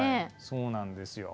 そうなんですよ。